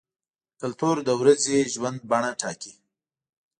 کلتور د ورځني ژوند بڼه ټاکي.